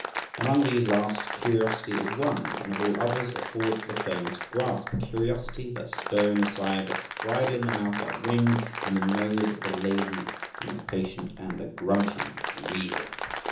Among these last, curiosity is one, and of all others affords the firmest grasp; curiosity, that spur in the side, that bridle in the mouth, that ring in the nose of a lazy, an impatient, and a grunting reader.